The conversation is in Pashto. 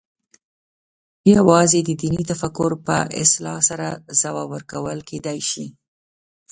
یوازې د دیني تفکر په اصلاح سره ځواب ورکول کېدای شي.